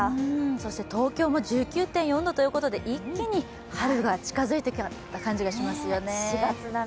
そして東京も１９．４度ということで一気に春が近づいてきた感じがしますよね。